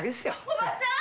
・おばさん。